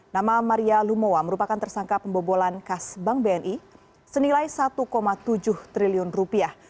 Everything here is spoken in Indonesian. nama maria lumowa merupakan tersangka pembobolan kas bank bni senilai satu tujuh triliun rupiah